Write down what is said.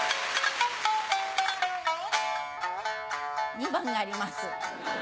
２番があります。